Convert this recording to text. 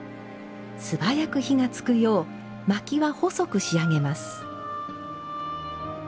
素早く火がつくよう、まきは細く仕上げます。